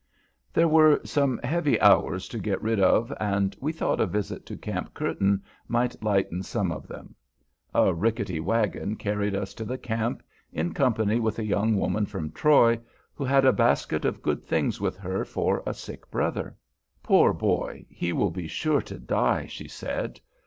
There were some heavy hours to get rid of, and we thought a visit to Camp Curtin might lighten some of them. A rickety wagon carried us to the camp, in company with a young woman from Troy, who had a basket of good things with her for a sick brother. "Poor boy! he will be sure to die," she said.